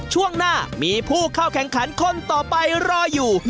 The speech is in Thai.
ช่วงหน้ามีผู้เข้าแข่งขันคนต่อไปรออยู่